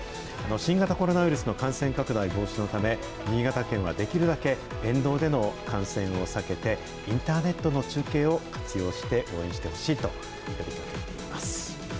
新型コロナウイルスの感染拡大防止のため、新潟県はできるだけ沿道での観戦を避けて、インターネットの中継を活用して応援してほしいと呼びかけています。